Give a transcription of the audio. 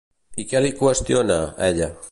I què li qüestiona, ella?